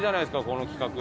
この企画に。